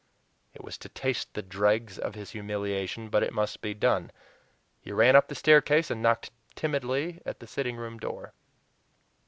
It was to taste the dregs of his humiliation, but it must be done. He ran up the staircase and knocked timidly at the sitting room door.